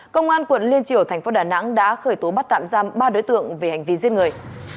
công an quận liên triều thành phố đà nẵng đã khởi tố bắt tạm giam ba đối tượng về hành vi giết người